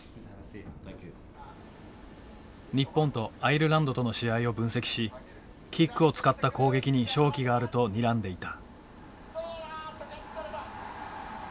日本とアイルランドとの試合を分析しキックを使った攻撃に勝機があるとにらんでいた。